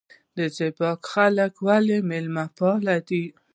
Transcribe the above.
زیباک خلک ولې میلمه پال دي؟